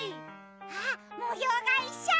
あっもようがいっしょ！